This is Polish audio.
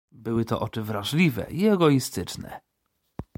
"Były to oczy wrażliwe i egoistyczne."